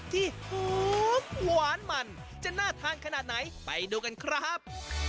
ที่หอมหวานมันจะน่าทานขนาดไหนไปดูกันครับ